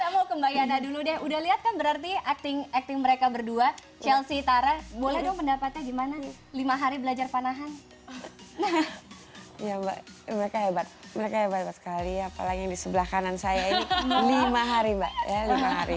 mulai ke mbak yana dulu deh udah liat berarti acting mereka berdua chelsea dan tara boleh dong pendapatnya gimana lima hari belajar panahan